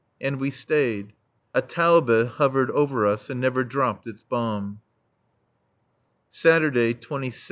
And we stayed. A Taube hovered over us and never dropped its bomb. [_Saturday, 26th.